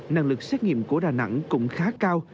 năng lực xét nghiệm của đà nẵng cũng khá cao